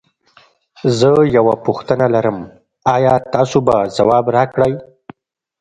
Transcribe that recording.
زه یوه پوښتنه لرم ایا تاسو به ځواب راکړی؟